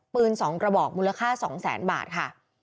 ปืน๒กระบอกมูลค่า๒แสนบาทค่ะ